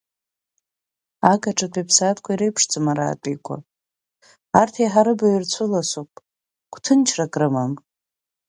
Агаҿатәи аԥсаатәқәа иреиԥшӡам араатәиқәа, арҭ еиҳа рыбаҩ рцәыласуп, гәҭынчрак рымам.